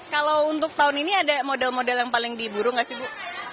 kalau untuk tahun ini ada model model yang paling diburu gak sih bu